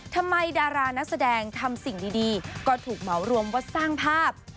ดารานักแสดงทำสิ่งดีก็ถูกเหมารวมว่าสร้างภาพ